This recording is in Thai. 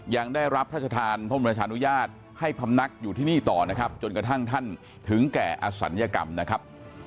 ยังได้รับพระชธานพระบรมราชานุญาตให้พำนักอยู่ที่นี่ต่อนะครับจนกระทั่งท่านถึงแก่อศัลยกรรมนะครับ